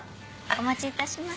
お持ちいたします。